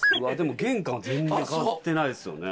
玄関は全然変わってないですよね？